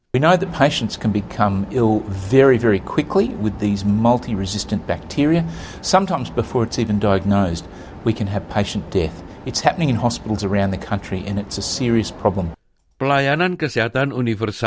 pelayanan kesehatan universal di asasnya bakteri super